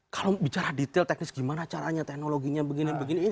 kalau bicara detail teknis gimana caranya teknologinya begini begini ini